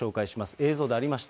映像でありました。